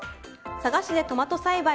佐賀市でトマト栽培